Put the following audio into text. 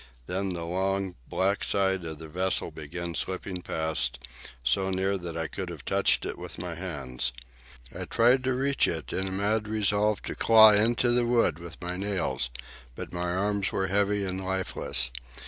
Then the long, black side of the vessel began slipping past, so near that I could have touched it with my hands. I tried to reach it, in a mad resolve to claw into the wood with my nails, but my arms were heavy and lifeless.